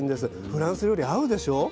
フランス料理合うでしょう？